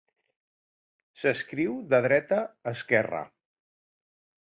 S'escriu de dreta a esquerra.